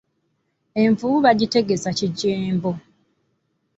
Envubu bagitegesa kigembo.